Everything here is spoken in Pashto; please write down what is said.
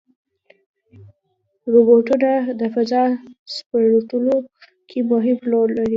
روبوټونه د فضا سپړلو کې مهم رول لري.